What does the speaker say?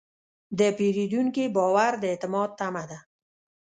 د پیرودونکي باور د اعتماد تمه ده.